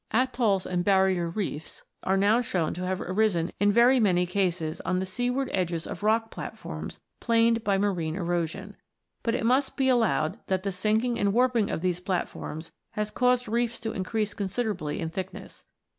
Atolls and barrier reefs are now shown to have arisen in very many cases on the seaward edges of rock platforms planed by marine erosion ; but it must be allowed that the sinking and warping of these platforms has caused reefs to increase considerably in thickness.